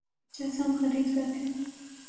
چس ہم خرید کر تھے